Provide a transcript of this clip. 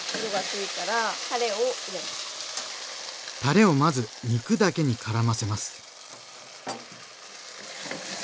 でタレをまず肉だけにからませます。